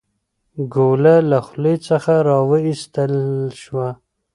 ګوله له خولې څخه راویستل شوه.